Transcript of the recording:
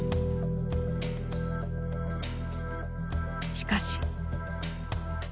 しかし。